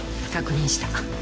確認した。